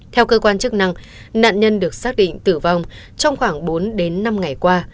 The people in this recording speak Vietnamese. theo cơ quan chức năng nạn nhân được xác định tử vong trong khoảng bốn đến năm ngày qua